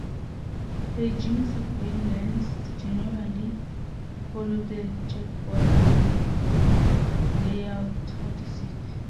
Beijing Subway lines generally follow the checkerboard layout of the city.